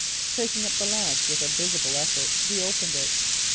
Taking up this last with a visible effort, he opened it.